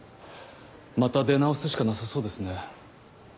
また出直すしかなさそうですね。